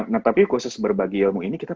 nah tapi khusus berbagi ilmu ini kita